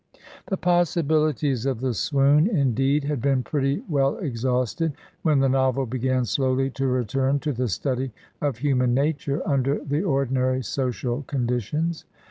The possibiUties of the swoon, indeed, had been pretty well exhausted, when the novel b^an slowly to return to the study of hmnan nature imder the ordinary social conditions.